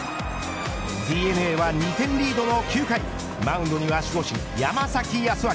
ＤｅＮＡは２点リードの９回マウンドには守護神、山崎康晃。